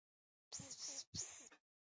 官位是修理大夫。